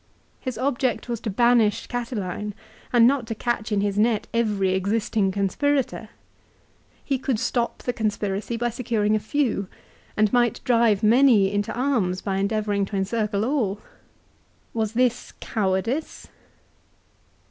His object was to banish Catiline, and not to catch in his net every existing CICERO'S DEATH. 299 conspirator. He could stop the conspiracy by securing a few, and might drive many into arms by endeavouring to encircle all. Was this cowardice